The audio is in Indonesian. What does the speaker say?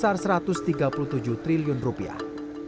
dan pemerintahan indonesia telah menerbitkan sejumlah regulasi teknologi ekonomi